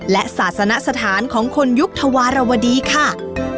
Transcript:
และศาสนสถานของคนยุคธวารวดีค่ะ